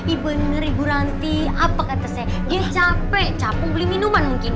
ibener ibu ranti apa kata saya dia capek capeng beli minuman mungkin